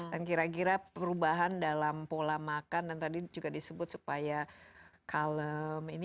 dan kira kira perubahan dalam pola makan dan tadi juga disebut supaya kalem